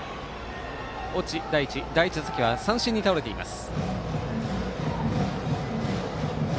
越智大地、第１打席は三振に倒れています。